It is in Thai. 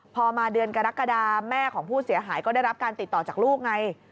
พอมาเดือนกรกฎาแม่ของผู้เสียหายก็ได้รับการติดต่อจากลูกไง